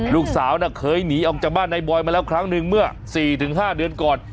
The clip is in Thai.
ลูกสาวเคยหนีออกจากบ้านนายบอยมาแล้วครั้งหนึ่งเมื่อ๔๕เดือนก่อน